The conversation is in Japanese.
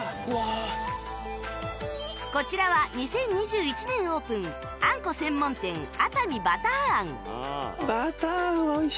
こちらは２０２１年オープンあんこ専門店熱海ばたーあん